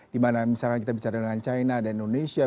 di mana misalkan kita bicara dengan china dan indonesia